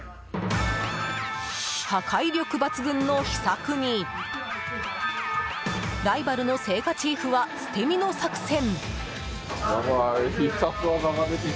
破壊力抜群の秘策にライバルの青果チーフは捨て身の作戦。